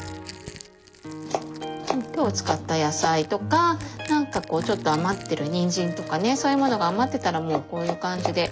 今日使った野菜とかなんかこうちょっと余ってるにんじんとかねそういうものが余ってたらもうこういう感じで。